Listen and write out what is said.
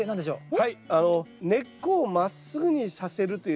はい根っこをまっすぐにさせるという。